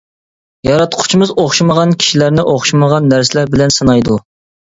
ياراتقۇچىمىز ئوخشىمىغان كىشىلەرنى ئوخشىمىغان نەرسىلەر بىلەن سىنايدۇ.